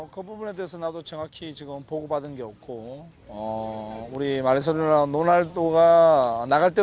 saya tidak mendapatkan pengetahuan tentang hal itu